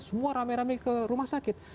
semua rame rame ke rumah sakit